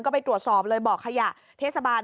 ก็ไปตรวจสอบเลยบ่อขยะเทศบาล